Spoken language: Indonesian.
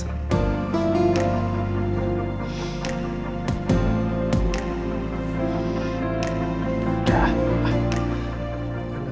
tapi harumatnya masih keluar